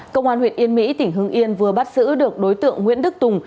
cơ quan huyện yên mỹ tỉnh hưng yên vừa bắt xử được đối tượng nguyễn đức tùng